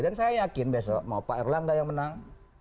dan saya yakin besok mau pak erlangga yang menang